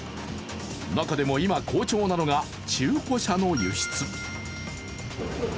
中でも今、好調なのが中古車の輸出。